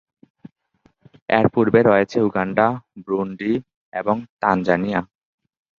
এর পূর্বে রয়েছে উগান্ডা, ব্রুন্ডি এবং তানজানিয়া।